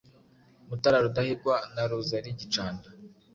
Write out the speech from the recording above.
Mutara Rudahigwa na Rosalie Gicanda,